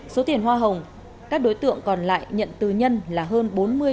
số tiền hoa hồng các đối tượng còn lại nhận tư nhân là hơn bốn mươi